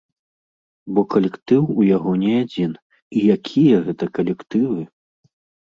Бо калектыў у яго не адзін, і якія гэта калектывы!